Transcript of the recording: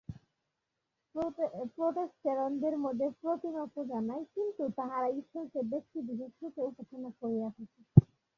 প্রোটেষ্ট্যাণ্টদের মধ্যে প্রতিমাপূজা নাই, কিন্তু তাহারাও ঈশ্বরকে ব্যক্তিবিশেষরূপে উপাসনা করিয়া থাকে।